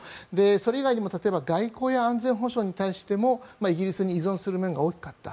それ以外にも外交や安全保障に対してもイギリスに依存することが多かった。